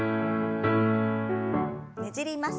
ねじります。